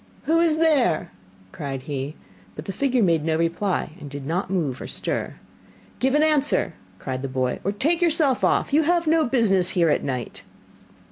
'Who is there?' cried he, but the figure made no reply, and did not move or stir. 'Give an answer,' cried the boy, 'or take yourself off, you have no business here at night.